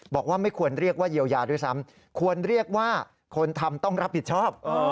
บอกว่าไม่ควรเรียกว่าเยียวยาด้วยซ้ำควรเรียกว่าคนทำต้องรับผิดชอบ